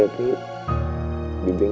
dan menangkan diri